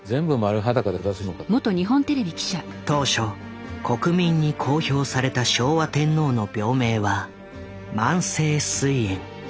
当初国民に公表された昭和天皇の病名は「慢性すい炎」。